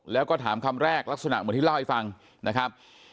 แล้วก็ถามคำแรกลักษณะเหมือนที่เล่าให้ฟังนะครับ